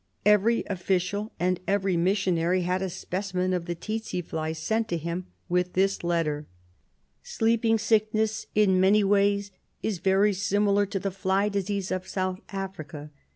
Every official and every missionary had a specimen of the tsetse fly sent to him with this letter :— "Sleeping sickness in many ways is very similar to the fly disease of South Africa.